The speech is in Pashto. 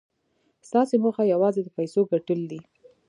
ستاسې موخه یوازې د پیسو ګټل دي